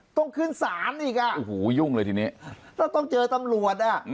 ต้องขึ้นศาลอีกอ่ะโอ้โหยุ่งเลยทีนี้เราต้องเจอตำรวจอ่ะ